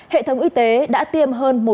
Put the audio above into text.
hệ thống y tế đã tiêm hơn một trăm năm mươi liều